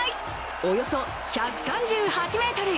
およそ１３８ｍ。